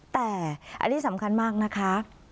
แต่อันนี้สำคัญมากนะคะ